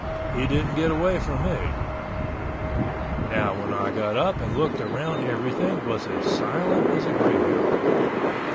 He didn't get away from me. When I got up and looked around everything was as silent as a graveyard.